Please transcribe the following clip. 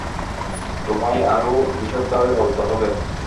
তোমায় আরো বিশদভাবে বলতে হবে।